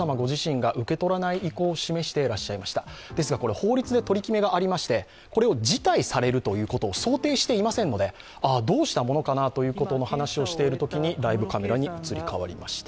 法律で取り決めがありまして、辞退されることを想定していませんのでどうしたものかという話をしているときにライブカメラに移り変わりました。